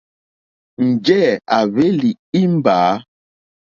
Njɛ̂ à hwélí ìmbâ.